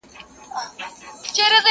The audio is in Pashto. دعوه د سړیتوب دي لا مشروطه بولم ځکه.